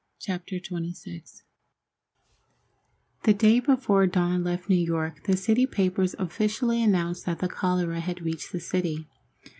CHAPTER XXVI The day before Dawn left New York the city papers officially announced that the cholera had reached the city.